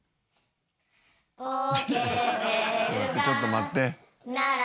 ちょっと待って。